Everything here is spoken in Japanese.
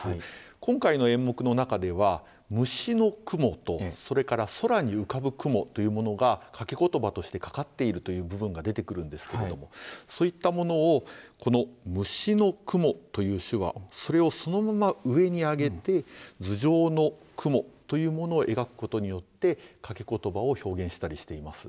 今回の演目の中では、虫の蜘蛛と、それから空に浮かぶ雲というものが掛詞としてかかっているという部分が出てくるんですけれども、そういったものをこの虫の蜘蛛という手話、それをそのまま上に上げて、頭上の雲というものを描くことによっなるほど。